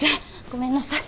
ごめんなさい。